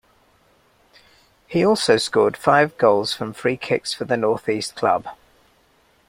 He also scored five goals from free-kicks for the north-east club.